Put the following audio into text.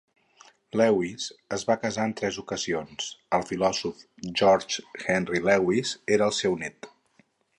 Lewes es va casar en tres ocasions; el filòsof George Henry Lewes era el seu nét.